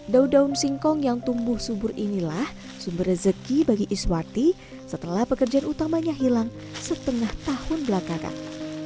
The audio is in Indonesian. daun daun singkong yang tumbuh subur inilah sumber rezeki bagi iswati setelah pekerjaan utamanya hilang setengah tahun belakangan